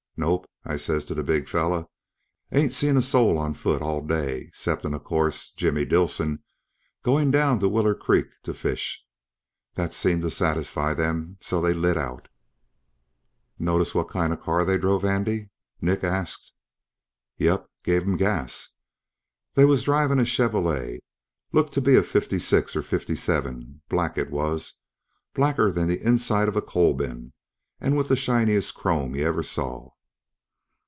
"... Nope, I says to the big feller, ain't seen a soul on foot all day, 'ceptin' o'course, Jimmy Dilson, goin' down t'Willer Creek, t'fish. That seemed t'satisfy them so they lit out." "Notice what kind of car they drove, Andy?" Nick asked. "Yep. Gave 'em gas. They was drivin' a Chevrolet. Looked to be a '56 or a '57; black, it was. Blacker'n th' inside of a coal bin, with th' shiniest chrome y'ever saw."